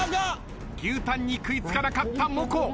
牛タンに食い付かなかったもこ。